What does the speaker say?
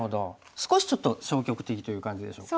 少しちょっと消極的という感じでしょうか。